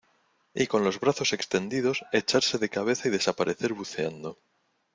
y con los brazos extendidos echarse de cabeza y desaparecer buceando.